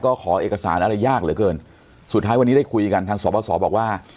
ก็ขอเอกสารอะไรยากเหลือเกินสุดท้ายวันนี้ได้คุยกันทางสบสบอกว่า